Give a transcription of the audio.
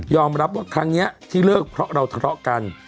ว่าครั้งนี้ที่เลิกเพราะเราทะเลาะกัน